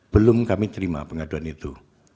belum kami terima pengaduan itu